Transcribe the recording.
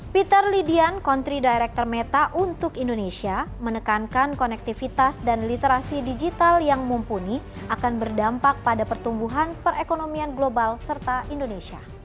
peter lidian country director meta untuk indonesia menekankan konektivitas dan literasi digital yang mumpuni akan berdampak pada pertumbuhan perekonomian global serta indonesia